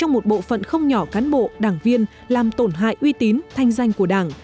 một bộ phận không nhỏ cán bộ đảng viên làm tổn hại uy tín thanh danh của đảng